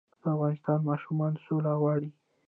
د افغانستان ماشومان سوله غواړي